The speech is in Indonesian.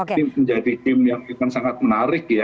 ini menjadi game yang akan sangat menarik ya